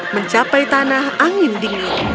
mencapai tanah angin dingin